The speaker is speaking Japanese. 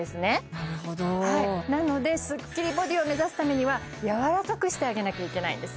なるほどはいなのでスッキリボディを目指すためにはやわらかくしてあげなきゃいけないんです